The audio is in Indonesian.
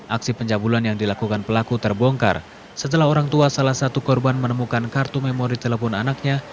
aksi pencabulan yang dilakukan pelaku terbongkar setelah orang tua salah satu korban menemukan kartu memori telepon anaknya